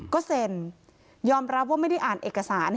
ก็เซ็นยอมรับว่าไม่ได้อ่านเอกสาร